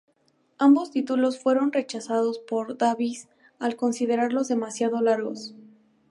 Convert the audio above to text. Ambos títulos fueron rechazados por Davies al considerarlos demasiado largos.